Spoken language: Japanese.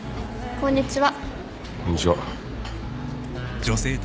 こんにちは。